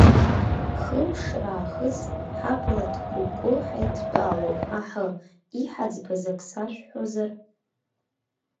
Хымш раахыс ҳабла ҭкәыкәы ҳаидтәалоуп, аҳы, иҳаӡбаз ак сашәҳәозар!